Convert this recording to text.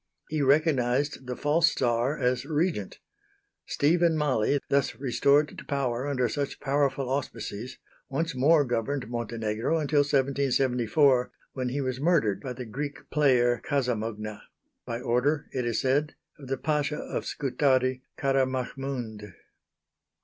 He recognized the false Czar as Regent. Stephen Mali, thus restored to power under such powerful auspices, once more governed Montenegro until 1774, when he was murdered by the Greek player Casamugna by order, it is said, of the Pasha of Scutari, Kara Mahmound.